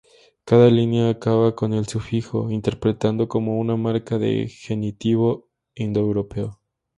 Cada línea acaba con el sufijo -š, interpretado como una marca de genitivo indoeuropeo.